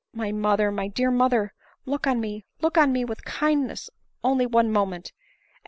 " My mother, my dear mother ! look on me, look on me with kindness only one moment, and.